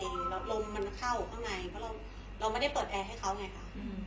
แล้วลมมันเข้าข้างในเพราะเราไม่ได้เปิดแอร์ให้เขาไงค่ะ